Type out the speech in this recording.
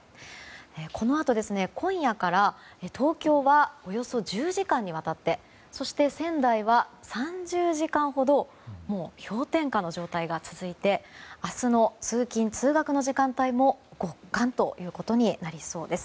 このあと、今夜から東京はおよそ１０時間にわたってそして、仙台は３０時間ほど氷点下の状態が続いて明日の通勤・通学の時間帯も極寒ということになりそうです。